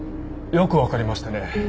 よくわかりましたね。